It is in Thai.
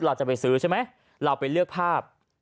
เราจะไปซื้อใช่ไหมเราไปเลือกภาพ